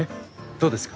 どうですか？